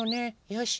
よし。